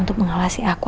untuk mengawasi aku